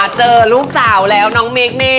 เจอลูกสาวแล้วน้องมิคนี่